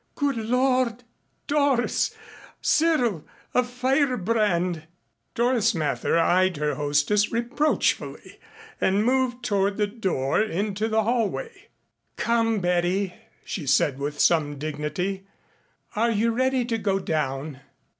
"Good Lord, Doris! Cyril a firebrand!" Doris Mather eyed her hostess reproachfully and moved toward the door into the hallway. "Come, Betty," she said with some dignity, "are you ready to go down?"